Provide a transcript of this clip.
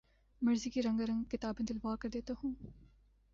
مرضی کی رنگار نگ کتابیں دلوا کر دیتا ہوں